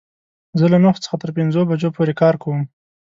زه له نهو څخه تر پنځو بجو پوری کار کوم